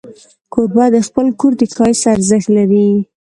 کوربه د خپل کور د ښایست ارزښت لري.